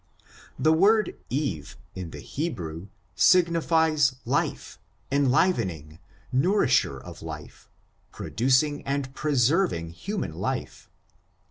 The word Eve, in the Hebrew, signifies life, en livening, nourisher of life, producing and preserving human life.